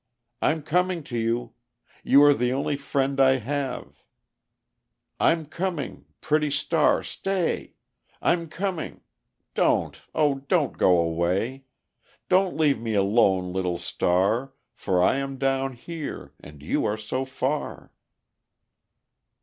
I'm coming to you! You are the only friend I have. I'm coming! Pretty star, stay! I'm coming! Don't, oh don't go away. Don't leave me alone, little star! For I am down here, and you are so far."